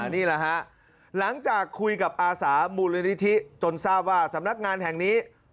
นี่แหละฮะหลังจากคุยกับอาสามูลนิธิจนทราบว่าสำนักงานแห่งนี้